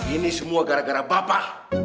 ini semua gara gara bapak